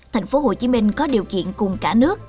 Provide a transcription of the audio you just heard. thành phố hồ chí minh có điều kiện cùng cả nước